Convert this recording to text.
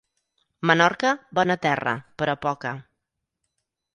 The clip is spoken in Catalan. Menorca, bona terra, però poca.